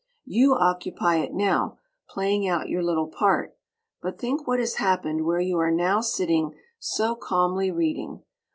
You occupy it now, playing out your little part; but think what has happened where you are now sitting so calmly reading!